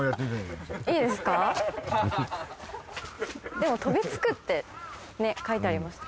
でも飛びつくってね書いてありました。